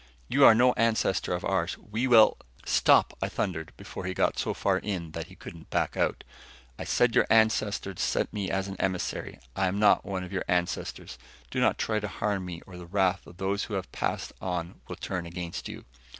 You are no ancestor of ours! We will " "Stop!" I thundered before he got so far in that he couldn't back out. "I said your ancestors sent me as emissary I am not one of your ancestors. Do not try to harm me or the wrath of those who have Passed On will turn against you."